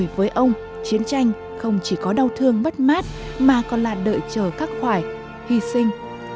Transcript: với ông chiến tranh không chỉ có đau thương mất mát mà còn là đợi chờ các khoải hy sinh